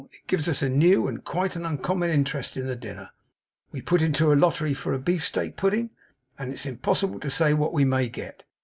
It gives us a new, and quite an uncommon interest in the dinner. We put into a lottery for a beefsteak pudding, and it is impossible to say what we may get.